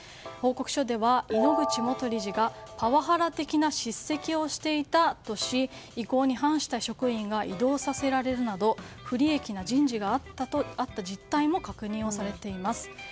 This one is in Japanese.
報告書では井ノ口元理事がパワハラ的な叱責をしていたとし意向に反した職員が異動させられるなど不利益な人事があった実態も確認されています。